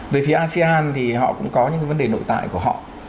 về phía asean thì họ cũng có những vấn đề nội tại của họ